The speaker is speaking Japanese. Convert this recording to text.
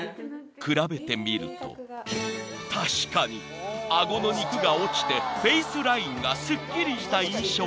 ［比べてみると確かに顎の肉が落ちてフェースラインがスッキリした印象］